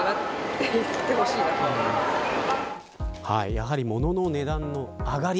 やはり物の値段の上がり